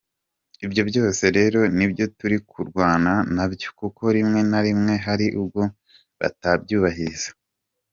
Ibyo byose rero nibyo turi kurwana nabyo, kuko rimwe na rimwe hari ubwo batabyubahiriza”.